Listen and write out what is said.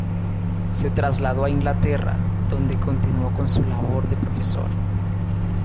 Se trasladó a Inglaterra, donde continuó con su labor de profesor.